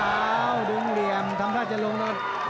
อ้าวดึงเหลี่ยมทำถ้าจะลงโดน